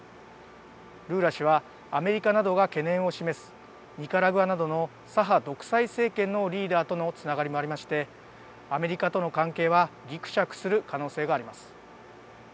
ルーラ氏はアメリカなどが懸念を示すニカラグアなどの左派独裁政権のリーダーとのつながりもありましてアメリカとの関係はぎくしゃくする可能性があります。